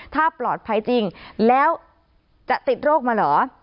ถ้าปลอดภัยจริงแล้วจะติดโรคมาเหรอ